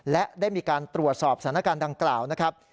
และได้มีการตรวจสอบสถานการณ์ดังกล่าวนะครับ